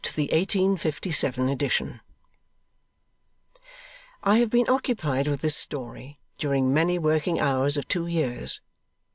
Gone PREFACE TO THE 1857 EDITION I have been occupied with this story, during many working hours of two years.